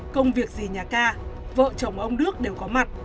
công việc gì nhà ca vợ chồng ông đức đều có mặt